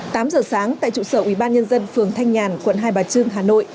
tám giờ sáng tại trụ sở ubnd phường thanh nhàn quận hai bà trưng hà nội